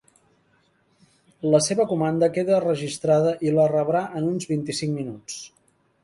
La seva comanda queda registrada i la rebrà en uns vint-i-cinc minuts.